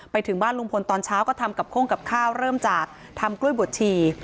ไปถึงบ้านลุงพลตอนเช้าก็ทำกับโค้งกับข้าวเริ่มจากทำกล้วยบวชชี